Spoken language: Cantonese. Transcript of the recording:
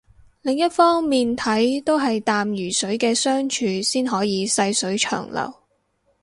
另一方面睇都係淡如水嘅相處先可以細水長流